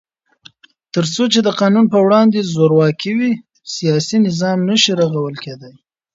تر څو چې د قانون په وړاندې زورواکي وي، سیاسي نظام نشي رغول کېدای.